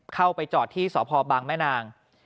เข้าไปจอดที่สพบางแม่นาง